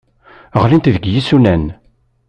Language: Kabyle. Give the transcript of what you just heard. Ɣlint deg yisunan.